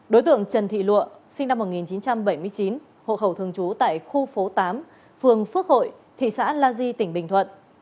đối tượng trần thị lụa sinh năm một nghìn chín trăm bảy mươi chín hộ khẩu thường trú tại khu phố tám phường phước hội thị xã la di tỉnh bình thuận